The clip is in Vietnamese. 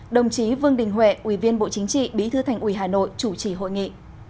đồng chí vương đình huệ ủy viên bộ chính trị bí thư thành ủy hà nội chủ trì hội nghị